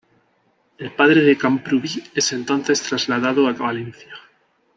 El padre de Camprubí es entonces trasladado a Valencia.